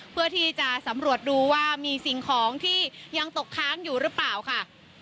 เพื่อที่จะสำรวจดูว่ามีสิ่งของที่ยังตกค้างอยู่หรือเปล่าค่ะ